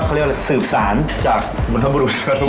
เขาเรียกว่าสืบสารจากสำรวจ